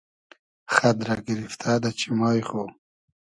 خئد رۂ گیریفتۂ دۂ چیمای خو